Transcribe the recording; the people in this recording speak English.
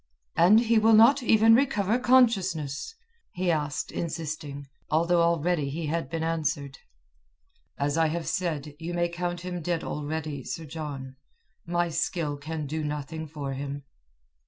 "And he will not even recover consciousness?" he asked insisting, although already he had been answered. "As I have said, you may count him dead already, Sir John. My skill can do nothing for him."